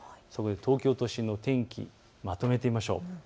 東京都心の天気、まとめてみましょう。